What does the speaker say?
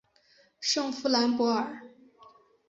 圣夫兰博尔。